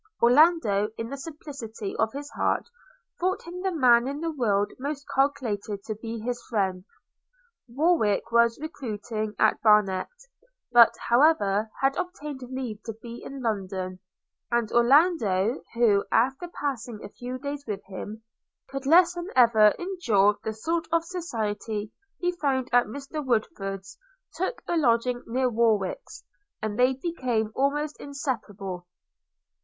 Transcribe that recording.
Orlando, in the simplicity of his heart, thought him the man in the world most calculated to be his friend. Warwick was recruiting at Barnet; but, however, had obtained leave to be in London: and Orlando, who, after passing a few days with him, could less than ever endure the sort of society he found at Mr Woodford's, took a lodging near Warwick's, and they became almost inseparable.